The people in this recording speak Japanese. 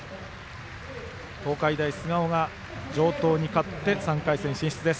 東海大菅生が城東に勝って３回戦進出です。